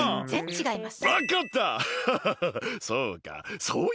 ちがいます。